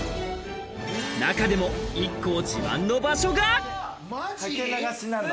中でもＩＫＫＯ自慢の場所が。